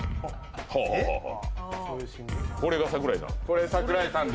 これが桜井さん？